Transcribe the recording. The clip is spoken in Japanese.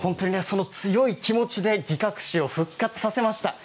強い気持ちで擬革紙を復活させました。